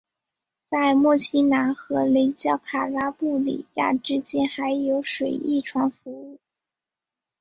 在墨西拿和雷焦卡拉布里亚之间还有水翼船服务。